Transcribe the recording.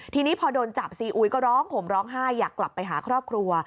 ทีนี้พอโดนจับซีอุยก็ร้องห่มร้องไห้อยากกลับไปหาครอบครัว